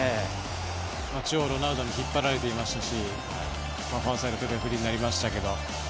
中央、ロナウドに引っ張られていましたしファーサイドペペ、フリーになりましたけど。